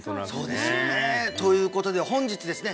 そうですよねということで本日ですね